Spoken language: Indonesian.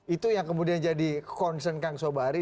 itu yang kemudian jadi concern kang sobari